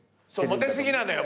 モテ過ぎなのよ。